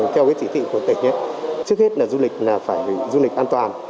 theo chỉ thị của tỉnh trước hết là du lịch phải du lịch an toàn